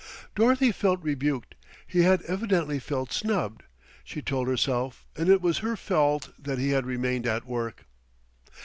Dorothy felt rebuked. He had evidently felt snubbed, she told herself, and it was her fault that he had remained at work.